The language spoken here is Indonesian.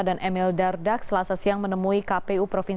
sekaligus jika sudah ditetapkan